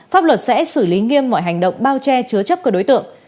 pháp luật sẽ xử lý nghiêm mọi hành động bao che chứa chấp các đối tượng